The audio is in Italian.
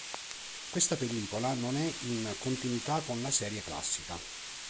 Questa pellicola non è in continuità con la serie classica.